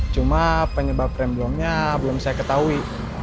cuma penyebab remblongnya belum saya ketahui